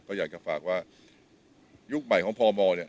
ก็อยากจะฝากว่ายุคใหม่ของพมเนี่ย